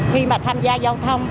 khi mà tham gia giao thông